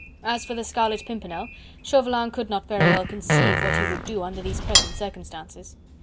As for the Scarlet Pimpernel, Chauvelin could not very well conceive what he would do under these present circumstances.